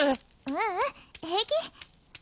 ううん平気